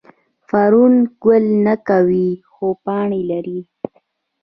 فرن ګل نه کوي خو پاڼې لري